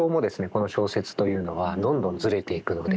この小説というのはどんどんずれていくので。